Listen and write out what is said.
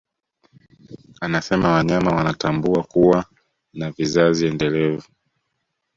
Anasema wanyama wanatambua kuwa na vizazi endelevu